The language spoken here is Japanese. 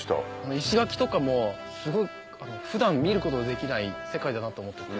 石垣とかも普段見ることができない世界だなと思ってて。